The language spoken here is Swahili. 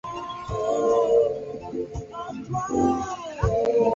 Caucasians Kwa hivyo kuonekana kwa Waturuki kulionekana